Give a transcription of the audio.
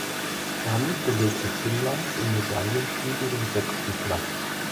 Damit belegte Finnland im Medaillenspiegel den sechsten Platz.